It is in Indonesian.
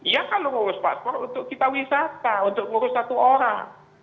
ya kalau ngurus paspor untuk kita wisata untuk ngurus satu orang